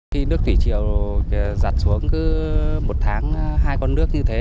khi nước thủy triều giặt xuống cứ một tháng hai con nước như thế